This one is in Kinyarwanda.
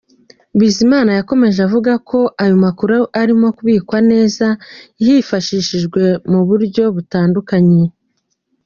Bizimana yakomeje avuga ko ayo makuru ari kubikwa neza yifashishwa mu buryo butandukanye.